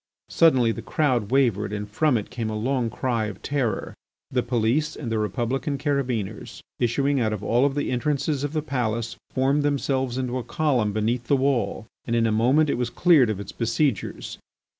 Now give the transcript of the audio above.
Suddenly the crowd wavered and from it came a long cry of terror. The police and the Republican carabineers issuing out of all the entrances of the palace formed themselves into a column beneath the wall and in a moment it was cleared of its besiegers.